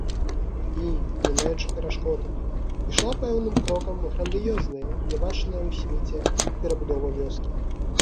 І, мінаючы перашкоды, ішла пэўным крокам грандыёзная, нябачаная ў свеце перабудова вёскі.